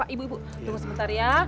ibu ibu tunggu sebentar ya